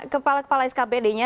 kepala kepala skpd nya